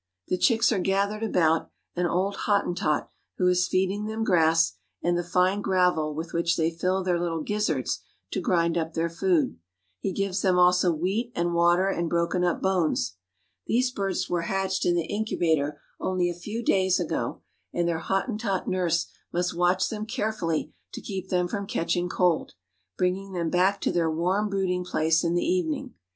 The chicks are gathered about an old Hottentot who is feeding then^ grass and the fine gravel with which they fill their little gizzards to grind up their food. He gives them also wheat and water and broken up bones. These birds were hatched in the incubator only a few days ago, and their Hottentot nurse must watch them carefully to keep them from catching cold, bringing them back to their warm brooding place in the evening.